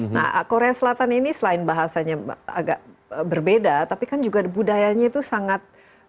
nah korea selatan ini selain bahasanya agak berbeda tapi kan juga budayanya itu sangat